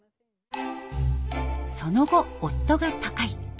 その後夫が他界。